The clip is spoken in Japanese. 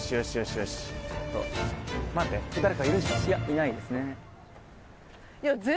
いないですね。